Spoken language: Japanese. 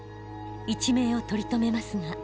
一命を取り留めますが。